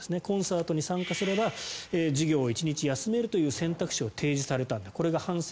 コンサートに参加すれば授業を１日休めるという選択肢を提示されたんだと。